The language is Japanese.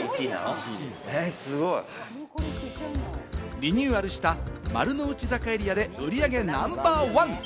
リニューアルした丸の内坂エリアで売り上げナンバーワン！